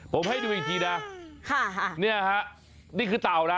ผมให้ดูอีกทีนะนี่คือเต่านะ